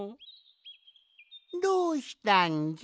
どうしたんじゃ？